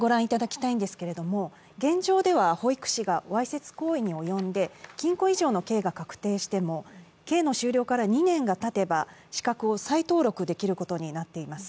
現状では保育士がわいせつ行為に及んで禁錮以上の刑が確定しても刑の終了から２年がたてば資格を再登録できることになっています。